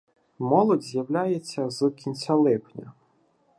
Молодь з'являється з кінця липня.